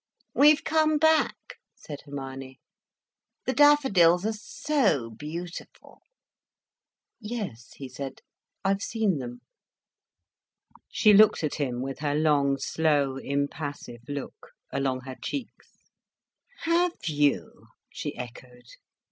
"We've come back," said Hermione. "The daffodils are so beautiful." "Yes," he said, "I've seen them." She looked at him with her long, slow, impassive look, along her cheeks. "Have you?" she echoed.